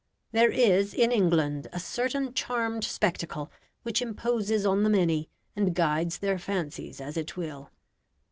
There is in England a certain charmed spectacle which imposes on the many, and guides their fancies as it will.